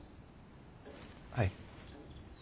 はい。